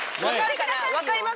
分かります？